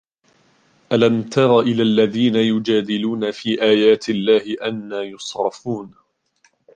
أَلَمْ تَرَ إِلَى الَّذِينَ يُجَادِلُونَ فِي آيَاتِ اللَّهِ أَنَّى يُصْرَفُونَ